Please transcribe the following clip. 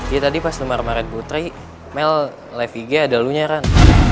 iya tadi pas lu marah marah dengan putri mel live ig ada lu nyaran